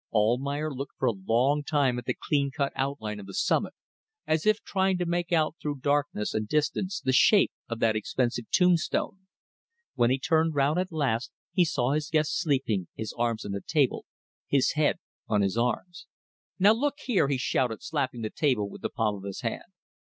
Almayer looked for a long time at the clean cut outline of the summit, as if trying to make out through darkness and distance the shape of that expensive tombstone. When he turned round at last he saw his guest sleeping, his arms on the table, his head on his arms. "Now, look here!" he shouted, slapping the table with the palm of his hand.